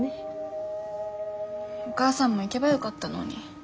お母さんも行けばよかったのに。